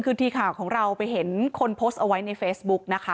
คือทีมข่าวของเราไปเห็นคนโพสต์เอาไว้ในเฟซบุ๊กนะคะ